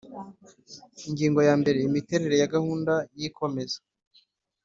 Ingingo ya mbere Imiterere ya gahunda y ikomeza